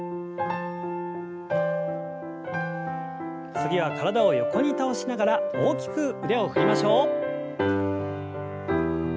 次は体を横に倒しながら大きく腕を振りましょう。